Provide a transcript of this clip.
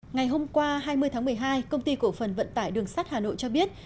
ngày hôm qua hai mươi tháng một mươi hai công ty cổ phần vận tải đường sắt hà nội cho biết